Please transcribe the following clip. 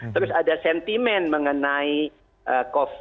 terus ada sentimen mengenai covid